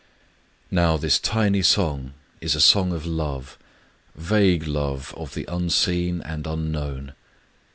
Now this tiny song is a song of love, — vague love of the unseen and unknown.